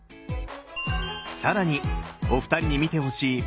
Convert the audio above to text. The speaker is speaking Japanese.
更にお二人に見てほしい右頬。